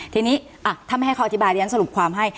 ทีนี้ถ้าไม่ให้เขาอธิบายเรียนสรุปความให้